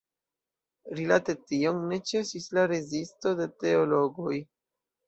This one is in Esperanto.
Rilate tion ne ĉesis la rezisto de teologoj.